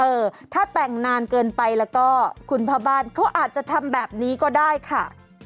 เออถ้าแต่งนานเกินไปแล้วก็คุณพ่อบ้านเขาอาจจะทำแบบนี้ก็ได้ค่ะ